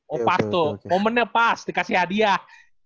oh pas tuh momennya pas dikasih hadiah